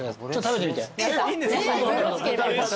食べてみて。